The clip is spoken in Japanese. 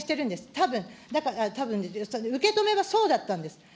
たぶん、たぶん、受け止めはそうだったんです。